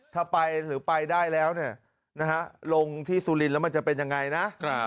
ถ้าไปหรือไปได้แล้วลงที่สุรินทร์แล้วมันจะเป็นยังไงนะ